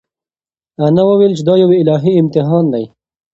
انا وویل چې دا یو الهي امتحان دی.